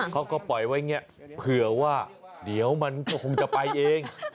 เขาก็ปล่อยไว้อย่างนี้เผื่อว่าเดี๋ยวมันก็คงจะไปเอง